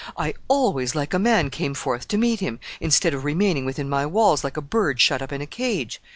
[D] I always, like a man, came forth to meet him, instead of remaining within my walls, like a bird shut up in a cage.